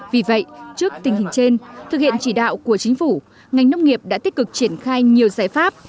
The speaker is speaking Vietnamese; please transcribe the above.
vì vậy trước tình hình trên thực hiện chỉ đạo của chính phủ ngành nông nghiệp đã tích cực triển khai nhiều giải pháp